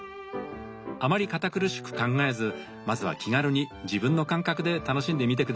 あまり堅苦しく考えずまずは気軽に自分の感覚で楽しんでみて下さい。